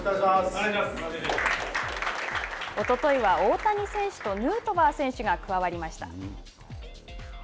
おとといは大谷選手とヌートバー選手が加わりました。